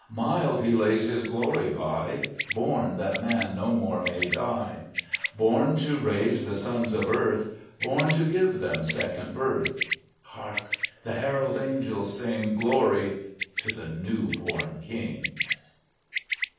Mild He lays His glory by, Born that man no more may die, Born to raise the sons of earth, Born to give them second birth. Hark ! the herald angels sing, " Glory to the new born King."